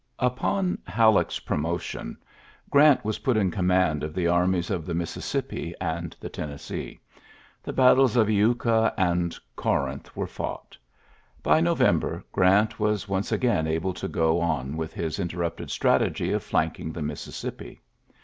Upon Halleck's promotion, Orant was put in command of the armies of the Mississippi and the Tennessee. The battles of luka and Corinth were fought. By November Grant was once again able to go on with his interrupted strat^y of flanking the Mississippi.